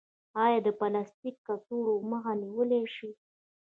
آیا د پلاستیکي کڅوړو مخه نیول شوې؟